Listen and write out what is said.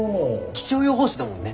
気象予報士だもんね。